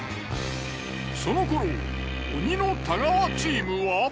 その頃鬼の太川チームは。